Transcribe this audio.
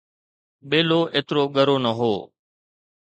ٻيلو ايترو ڳرو نه هو